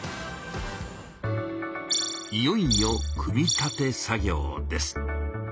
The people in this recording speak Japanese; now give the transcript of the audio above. いよいよ「組み立て」作業です。